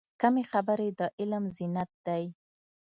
کمې خبرې، د علم زینت دی.